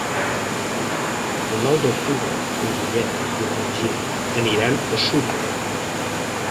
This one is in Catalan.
El nou d'octubre en Guillem i en Magí aniran a Súria.